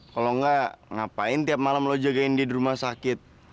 kalau enggak ngapain tiap malam lo jagain dia di rumah sakit